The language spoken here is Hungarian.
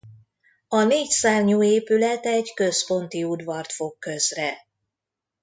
A négy szárnyú épület egy központi udvart fog közre.